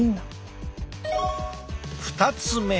２つ目。